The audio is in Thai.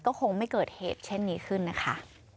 ก็คงไม่เกิดเหตุเช่นนี้ขึ้นนะคะ